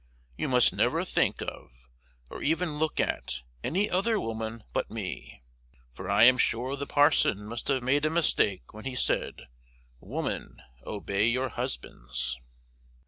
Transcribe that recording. You must never think of, or even look at any other woman but me, for am sure the parson must have made a mistake when he said, woman, obey your husbands.